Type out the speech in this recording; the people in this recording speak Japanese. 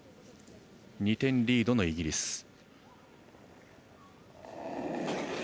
２点リードのイギリス。